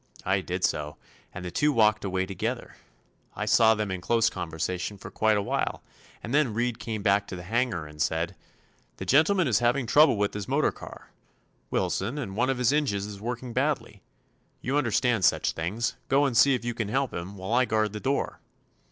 I did so, and the two walked away together. I saw them in close conversation for quite a while, and then Reed came back to the hangar and said: 'The gentleman is having trouble with his motor car, Wilson, and one of his engines is working badly. You understand such things; go and see if you can help him, while I guard the door.